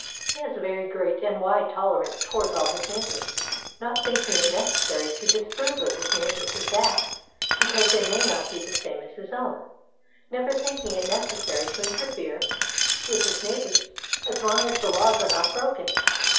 He has a very great and wide tolerance towards all his neighbours, not thinking it necessary to disapprove of his neighbours' acts because they may not be the same as his own, never thinking it necessary to interfere with his neighbours as long as the laws are not broken.